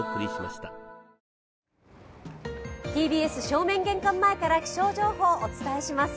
ＴＢＳ正面玄関前から気象情報をお伝えします。